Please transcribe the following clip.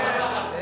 え！